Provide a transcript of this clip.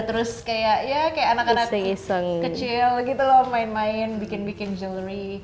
terus kayak anak anak kecil gitu loh main main bikin bikin jewelry